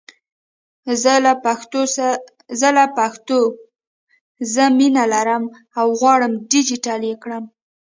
زه له پښتو زه مینه لرم او غواړم ډېجیټل یې کړم!